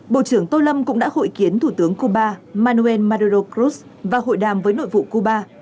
bộ trưởng tô lâm cũng đã hội kiến thủ tướng cuba manuel maduro krus và hội đàm với nội vụ cuba